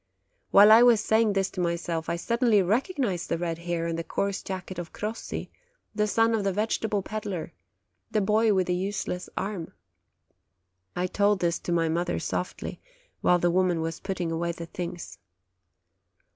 While I was saying this to myself, I suddenly recognized the red hair and the coarse jacket of Crossi, the son of the vegetable peddler, the boy with the useless arm. I told this to my mother softly, while the woman was putting away the things.